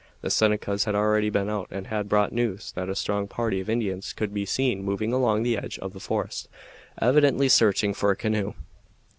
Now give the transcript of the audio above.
The Senecas had already been out and had brought news that a strong party of Indians could be seen moving along the edge of the forest, evidently searching for a canoe.